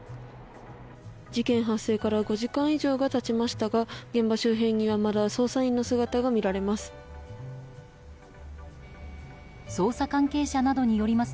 事件発生から５時間以上が経ちましたが現場周辺にはまだ捜査員の姿が見られます。